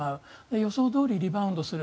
予想どおりリバウンドする。